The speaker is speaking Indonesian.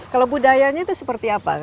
kalau budayanya itu seperti apa